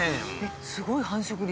すごい繁殖率。